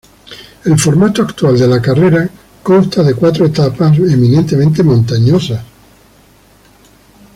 El formato actual de la carrera consta de cuatro etapas eminentemente montañosas.